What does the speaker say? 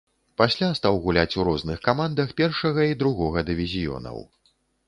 Пасля стаў гуляць у розных камандах першага і другога дывізіёнаў.